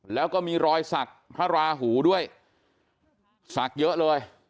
แล้วก็มีรอยสักพระราหูด้วยศักดิ์เยอะเลย